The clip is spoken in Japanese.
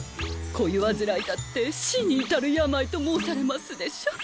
恋煩いだって死に至る病と申されますでしょ？